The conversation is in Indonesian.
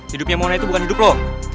hidupnya mona itu bukan hidup loh